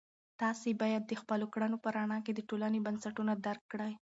تاسې باید د خپلو کړنو په رڼا کې د ټولنې بنسټونه درک کړئ.